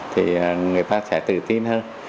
thì người ta sẽ tự tin hơn